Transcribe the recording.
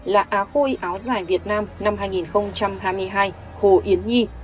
là á khôi áo giải việt nam năm hai nghìn hai mươi hai hồ yến nhi